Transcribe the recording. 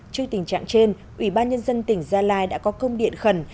trước tình trạng trên ủy ban nhân dân tỉnh gia lai đã có công điện khẩn